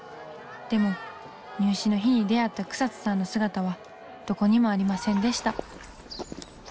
でも入試の日に出会った草津さんの姿はどこにもありませんでした。